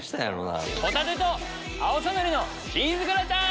ホタテとアオサノリのチーズグラタン！